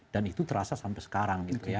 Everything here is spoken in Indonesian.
dan itu terasa sampai sekarang